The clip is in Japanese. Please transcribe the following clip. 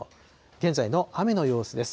現在の雨の様子です。